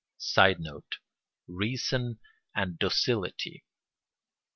[Sidenote: Reason and docility.